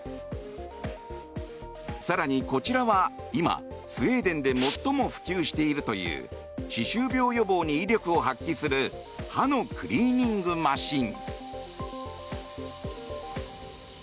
更にこちらは今、スウェーデンで最も普及しているという歯周病予防に威力を発揮する歯のクリーニングマシン。